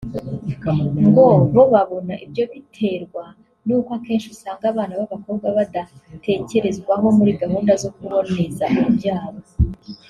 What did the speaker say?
ngo bo babona ibyo biterwa n’uko akenshi usanga abana b’abakobwa badatekerezwaho muri gahunda zo kuboneza urubyaro